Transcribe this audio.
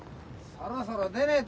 そろそろ出ねえとよ